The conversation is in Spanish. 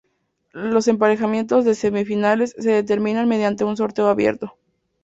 Los emparejamientos de semifinales se determinan mediante un sorteo abierto.